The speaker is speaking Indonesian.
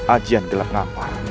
ajian gelap ngapar